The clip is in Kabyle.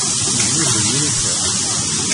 Yeznuzay iruka.